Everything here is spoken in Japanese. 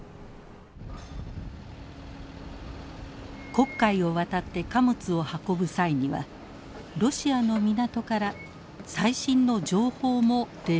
黒海を渡って貨物を運ぶ際にはロシアの港から最新の情報も提供されます。